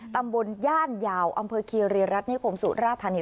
ตำบลย่านยาวอำเภอคีรีรัฐนิคมสุราธานี